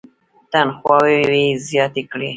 تنخواوې یې زیاتې کړې.